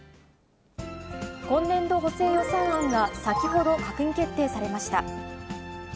今年度補正予算案が先ほど、閣議決定されました。